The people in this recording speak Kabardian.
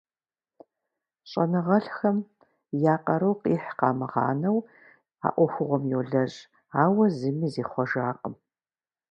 ЩӀэныгъэлӀхэм я къару къихь къамыгъанэу а Ӏуэхугъуэм йолэжь, ауэ зыми зихъуэжакъым.